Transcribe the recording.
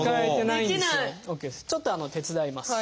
ちょっと手伝います。